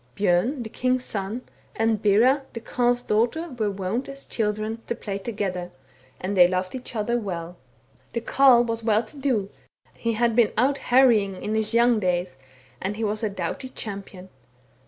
Bjorn the king's son, and Bera the Carle's daughter, were wont, as children, to play together, and they loved each other well. The Carle was well to do, he had been out harrying in his young days, and he was a doughty champion.